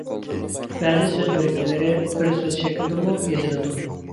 بەزى سۆز بىرىكمىلىرى بىر سۆز شەكلىدىمۇ يېزىلىدۇ.